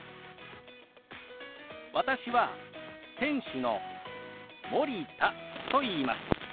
私は店主の森田といいます。